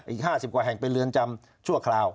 อีก๕๐กว่าแห่งเป็นเรือนจำชั่วคราว